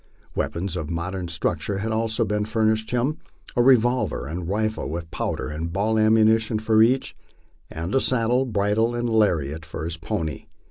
Weapons of modern structure had also been furnished him, a revolver and rifle with powder and ball ammunition for each, and a saddle, bridle, and lariat for his pony.